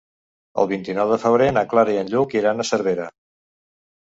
El vint-i-nou de febrer na Clara i en Lluc iran a Cervera.